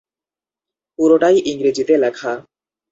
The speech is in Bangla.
পুরোটাই ইংরেজিতে লেখা।